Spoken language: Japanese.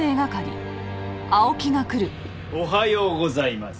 おはようございます。